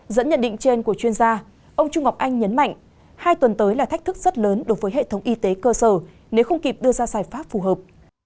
dẫn nhận định trên của chuyên gia ông trung ngọc anh nhấn mạnh hai tuần tới là thách thức rất lớn đối với hệ thống y tế cơ sở nếu không kịp đưa ra giải pháp phù hợp